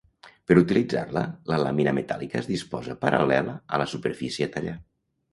Per utilitzar-la la làmina metàl·lica es disposa paral·lela a la superfície a tallar.